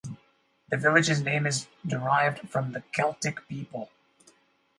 The village's name is derived from the Celtic people.